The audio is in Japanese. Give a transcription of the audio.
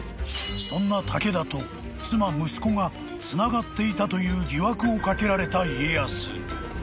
［そんな武田と妻息子がつながっていたという疑惑をかけられた家康］